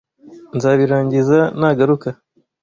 Nzabirangiza nagaruka.